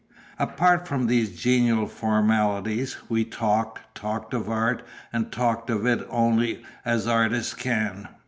Apart from these genial formalities, we talked, talked of art, and talked of it as only artists can.